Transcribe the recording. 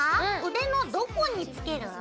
腕のどこに着ける？